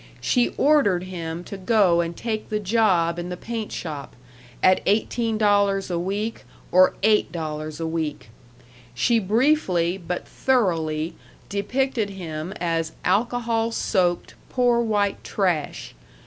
She ordered him to go and take the job in the paint shop at eighteen dollars a week, or eight dollars a week. She briefly, but thoroughly, depicted him as alcohol soaked, poor white trash.